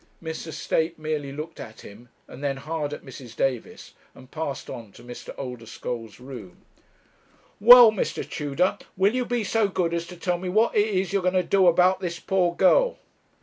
Mr. Snape merely looked at him, and then hard at Mrs. Davis, and passed on to Mr. Oldeschole's room. 'Well, Mr. Tudor, will you be so good as to tell me what it is you're going to do about this poor girl?'